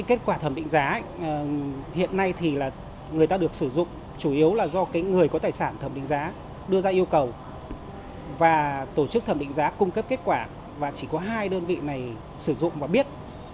kết quả thẩm định giá hiện nay thì là người ta được sử dụng chủ yếu là do người có tài sản thẩm định giá đưa ra yêu cầu và tổ chức thẩm định giá cung cấp kết quả và chỉ có hai đơn vị này sử dụng và biết